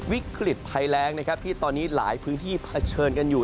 วิกฤตภัยแรงนะครับที่ตอนนี้หลายพื้นที่เผชิญกันอยู่